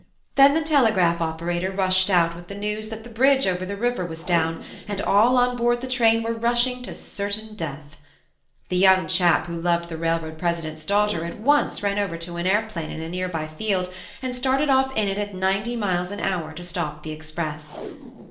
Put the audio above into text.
Then the telegraph operator rushed out with the news that the bridge over the river was down and all on board the train were rush ing to certain death. The young chap who loved the railroad president's daughter at once ran over to an airplane in a nearby field and started off in it at ninety miles an hour to stop the express.